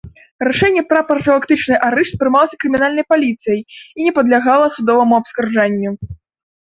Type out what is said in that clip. Рашэнне пра прафілактычны арышт прымалася крымінальнай паліцыяй і не падлягала судоваму абскарджанню.